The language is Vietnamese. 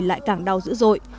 lại càng đau dữ dội